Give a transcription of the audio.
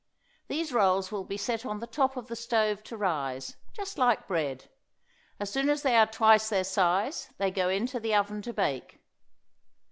These rolls will be set on the top of the stove to rise, just like bread. As soon as they are twice their size they go into the oven to bake.